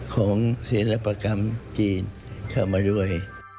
ของศิลปกรรมจีนเข้ามาด้วย